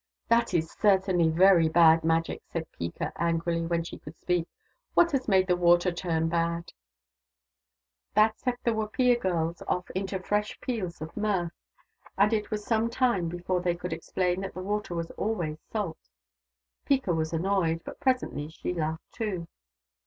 " That is certainly very bad Magic," said Peeka angrily, when she could speak. " What has made the water turn bad ?" That set the Wapiya girls off into fresh peals of mirth, and it was some time before they could explain that the water was always salt. Peeka was annoyed, but presently she laughed too.